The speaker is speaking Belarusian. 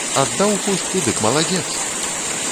Аддаў хустку, дык маладзец!